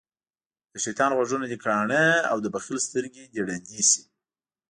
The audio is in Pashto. دشيطان غوږونه دکاڼه او دبخیل سترګی د ړندی شی